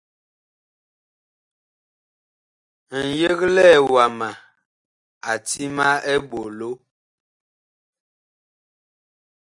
Ŋyeglɛɛ wama a ti ma eɓolo.